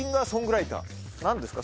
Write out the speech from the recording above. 何ですか？